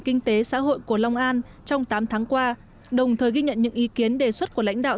kinh tế xã hội của long an trong tám tháng qua đồng thời ghi nhận những ý kiến đề xuất của lãnh đạo